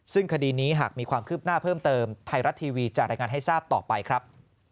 ซึ่งคดีนี้หากมีความคืบหน้าเพิ่มเติมไทยรัฐทีวีจะรายงานให้ทราบต่อไปครับ